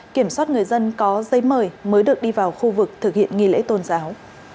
kiểm soát người dân có giấy mời mới được đi vào khu vực thực hiện nghi lễ tôn giáo